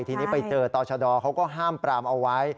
ทีนี้ไปเจอต่อชะดอเขาก็ห้ามปรามเอาไว้